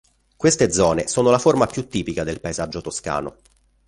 Queste zone sono la forma più tipica del paesaggio toscano.